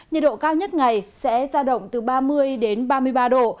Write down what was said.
nhiệt độ cao nhất ngày sẽ giao động từ ba mươi đến ba mươi ba độ